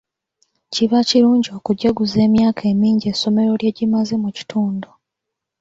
Kiba kirungi okujaguza emyaka emingi essomero lye gimaze mu kitundu.